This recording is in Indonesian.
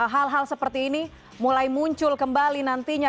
hal hal seperti ini mulai muncul kembali nantinya